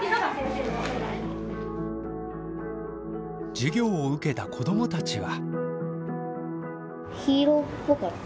授業を受けた子どもたちは。